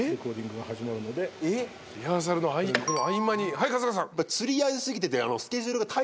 はい春日さん。